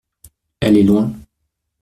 Elle est loin.